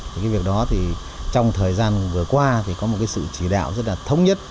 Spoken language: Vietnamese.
thì cái việc đó thì trong thời gian vừa qua thì có một cái sự chỉ đạo rất là thống nhất